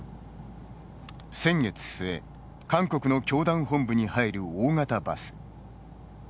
先月末韓国の教団本部に入る大型バス。